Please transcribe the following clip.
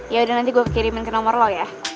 yaudah nanti gue kirimin ke nomor lo ya